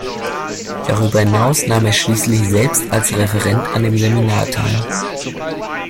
Darüber hinaus nahm er schließlich selbst als Referent an dem Seminar teil.